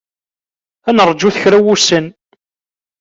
Ad naṛǧut kra n wussan.